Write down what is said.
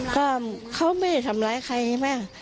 ก็เขาไม่ได้ทำร้ายใครใช่ไหม